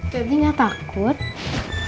jadi gak takut